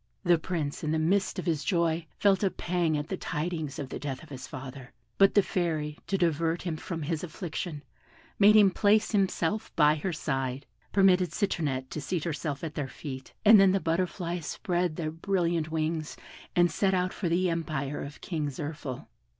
The Prince in the midst of his joy felt a pang at the tidings of the death of his father; but the Fairy to divert him from his affliction, made him place himself by her side, permitted Citronette to seat herself at their feet, and then the butterflies spread their brilliant wings, and set out for the empire of King Zirphil.